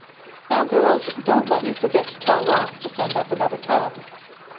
Now, girls, don't let me forget to tell Ross to send up another tub."